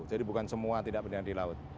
jadi bukan semua tidak pendidikan di laut